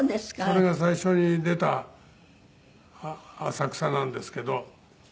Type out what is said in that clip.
それが最初に出た浅草なんですけど。